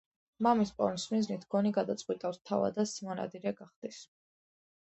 მამის პოვნის მიზნით გონი გადაწყვიტავს, თავადაც მონადირე გახდეს.